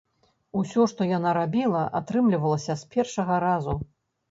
Усё, што яна рабіла, атрымлівалася з першага разу.